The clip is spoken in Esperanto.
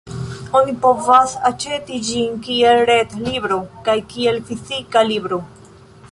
Oni povas aĉeti ĝin kiel ret-libro kaj kiel fizika libro.